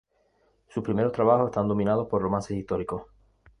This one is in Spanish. Sus primeros trabajos están dominados por romances históricos.